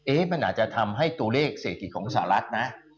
เอ๊ะมันอาจจะทำให้ตัวเลขเสร็จกิจของอุตส่ารักษณ์นะ